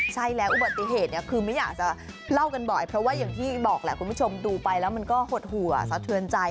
ใช่แล้วอุบัติเหตุเนี่ยคือไม่อยากจะเล่ากันบ่อยเพราะว่าอย่างที่บอกแหละคุณผู้ชมดูไปแล้วมันก็หดหัวสะเทือนใจ